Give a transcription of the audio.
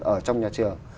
ở trong nhà trường